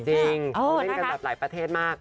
เล่นกันแบบหลายประเทศมาก